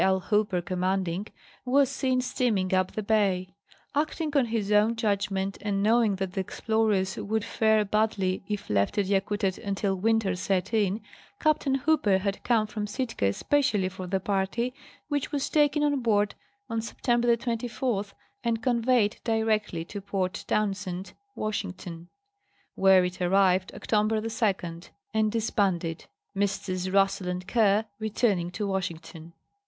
L. Hooper commanding, was seen steaming up the bay. Acting on his own judgment, and knowing that the explorers would fare badly if left at Yakutat until winter set in, Capt. Hooper had come from Sitka especially for the party, which was taken on board Sept. 24, and conveyed directly to Port Townsend, Washington, where it arrived Octo ber 2 and disbanded, Messrs. Russell and Kerr returning to Washington.